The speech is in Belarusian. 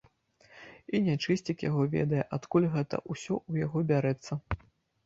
І нячысцік яго ведае, адкуль гэта ўсё ў яго бярэцца?